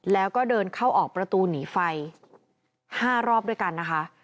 แล้วก็เดินเข้าออกประตูหนีไฟ๕รอบด้วยกันนะคะ